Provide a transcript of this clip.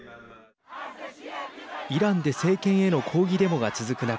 イランで政権への抗議デモが続く中